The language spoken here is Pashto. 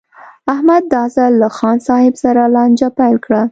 احمد دا ځل له خان صاحب سره لانجه پیل کړه.